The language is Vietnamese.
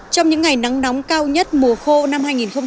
trong những ngày nắng nóng cao nhất mùa khô năm hai nghìn hai mươi